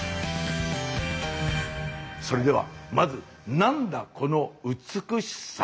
それではまず「なんだ、この美しさ！」